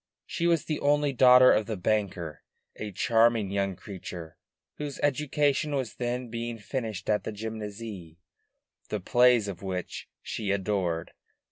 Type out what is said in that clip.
She was the only daughter of the banker, a charming young creature whose education was then being finished at the Gymnase, the plays of which she adored.